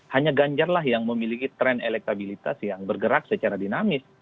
hanya ganjar lah yang memiliki tren elektabilitas yang bergerak secara dinamis